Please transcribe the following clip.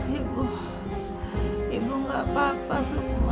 ibu ibu nggak apa apa sukma